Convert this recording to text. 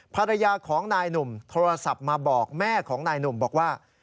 ภรรยาของนายหนุ่มโทรศัพท์มาบอกแม่ของนายหนุ่มบอกว่า